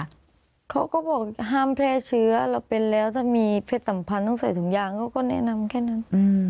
เขาก็บอกห้ามแพร่เชื้อเราเป็นแล้วถ้ามีเพศสัมพันธ์ต้องใส่ถุงยางเขาก็แนะนำแค่นั้น